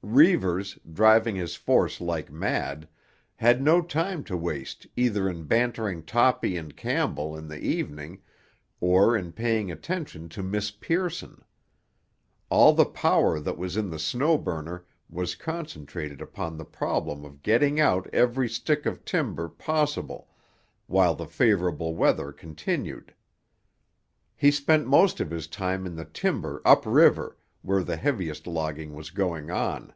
Reivers, driving his force like mad, had no time to waste either in bantering Toppy and Campbell in the evening or in paying attention to Miss Pearson. All the power that was in the Snow Burner was concentrated upon the problem of getting out every stick of timber possible while the favourable weather continued. He spent most of his time in the timber up river where the heaviest logging was going on.